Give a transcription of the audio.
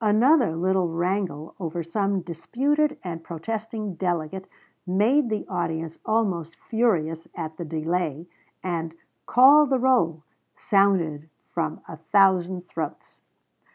Another little wrangle over some disputed and protesting delegate made the audience almost furious at the delay, and "Call the roll!" sounded from a thousand throats.